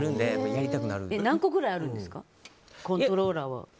何個ぐらいあるんですかコントローラーは。